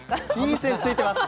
いい線ついてます。